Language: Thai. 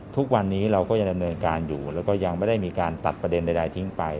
ทุกวันนี้เราก็ยังดำเนินการอยู่แล้วก็ยังไม่ได้มีการตัดประเด็นใดทิ้งไป